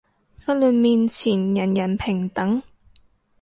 法律面前人人平等